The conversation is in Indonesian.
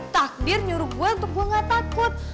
takdir nyuruh gue untuk gue gak takut